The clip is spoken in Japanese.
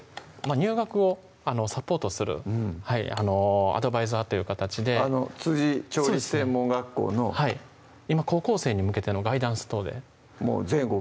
入学をサポートするアドバイザーという形で調理師専門学校のはい今高校生に向けてのガイダンス等で全国？